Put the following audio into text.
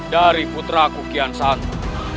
dari putraku kian sandu